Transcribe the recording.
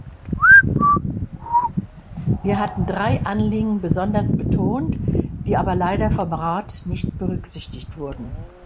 Wir hatten drei Anliegen besonders betont, die aber leider vom Rat nicht berücksichtigt wurden.